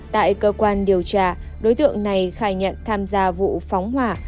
tại cơ quan điều tra đối tượng này khai nhận tham gia vụ phóng hỏa